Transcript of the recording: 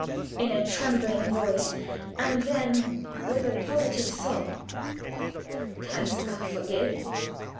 in a trembling voice, and then, with a positive sob, "canst thou forgive?"